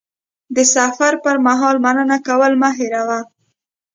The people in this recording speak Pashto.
د سفر پر مهال مننه کول مه هېروه.